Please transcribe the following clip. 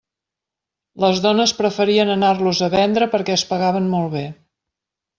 Les dones preferien anar-los a vendre perquè es pagaven molt bé.